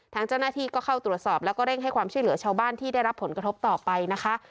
ทางเจ้าหน้าที่ก็เข้าตรวจสอบแล้วก็เร่งให้ความช่วยเหลือชาวบ้านที่ได้รับผลกระทบต่อไปนะคะ